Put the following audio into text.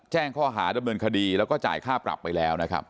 แจ้งข้อหาดำเนินคดีแล้วก็จ่ายค่าปรับไปแล้วนะครับ